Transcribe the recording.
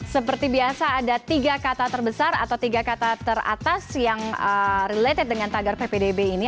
seperti biasa ada tiga kata terbesar atau tiga kata teratas yang related dengan tagar ppdb ini